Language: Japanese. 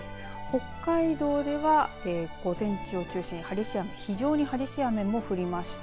北海道では午前中を中心に非常に激しい雨も降りました。